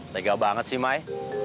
tega banget sih may